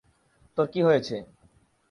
তোর কি হয়েছে?